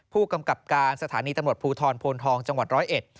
ผู้กำกับการสถานีตำรวจภูทรโพนทองจังหวัดร้อยเอ็ด